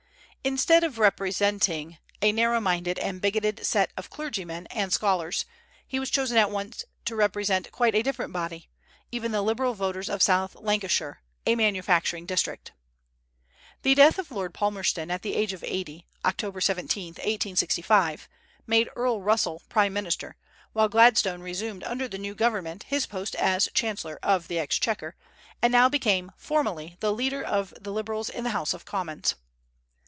Instead of representing a narrow minded and bigoted set of clergymen and scholars, he was chosen at once to represent quite a different body, even the liberal voters of South Lancashire, a manufacturing district. The death of Lord Palmerston at the age of eighty, October 17, 1865, made Earl Russell prime minister, while Gladstone resumed under the new government his post as chancellor of the exchequer, and now became formally the leader of the Liberals in the House of Commons.